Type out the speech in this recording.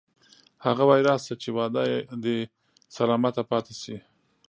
هغه وایی راشه چې وعده دې سلامته پاتې شي